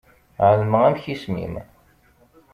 Ɛelmeɣ amek isem-im.